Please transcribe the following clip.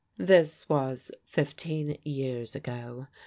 This was fifteen years ago.